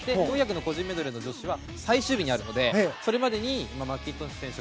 ４００の個人メドレー女子は最終日にあるのでそれまでにマッキントッシュ選手